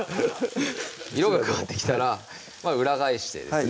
色が変わってきたら裏返してですね